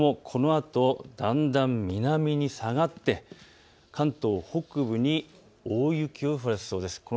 このあとだんだん南に下がって関東北部に大雪を降らせそうです。